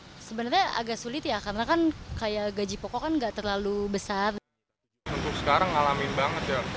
hai sebenarnya agak sulit ya karena kan kayak gaji pokokan nggak terlalu besar untuk sekarang alamin